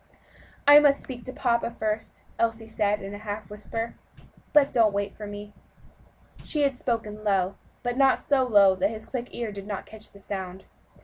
"I must speak to papa first," Elsie said in a half whisper, "but don't wait for me." She had spoken low, but not so low that his quick ear did not catch the sound.